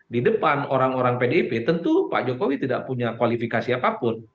di depan orang orang pdip tentu pak jokowi tidak punya kualifikasi apapun